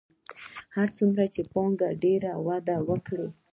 هر څومره چې پانګه ډېره وده وکړي